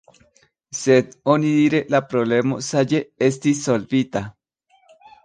Sed onidire la problemo saĝe estis solvita.